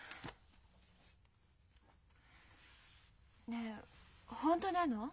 ねえ本当なの？